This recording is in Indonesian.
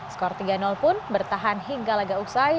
skor tiga pun bertahan hingga laga usai